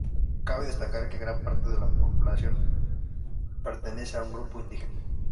Cabe destacar que gran parte de la población pertenece a un grupo indígena.